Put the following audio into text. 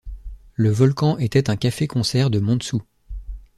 Le Volcan était un café-concert de Montsou.